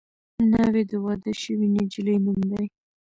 ناوې د واده شوې نجلۍ نوم دی